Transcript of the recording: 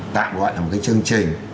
tạm gọi là một cái chương trình